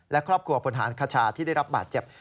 และครอบครัวพลฐานคชาที่ได้รับบาดเจ็บ